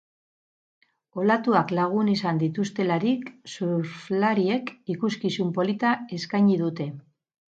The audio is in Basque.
Olatuak lagun izan dituztelarik surflariek ikuskizun polita eskaini dute.